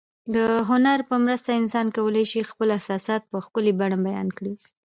د هنر په مرسته انسان کولای شي خپل احساسات په ښکلي بڼه بیان کړي.